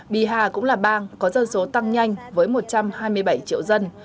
biha cũng là bang có dân số tăng nhanh với một trăm hai mươi bảy triệu dân